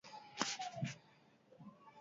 Zein material daukate sorosle-etxean?